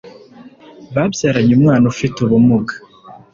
babyaranye umwana ufite ubumuga